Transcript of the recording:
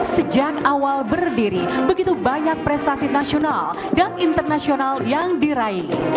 sejak awal berdiri begitu banyak prestasi nasional dan internasional yang diraih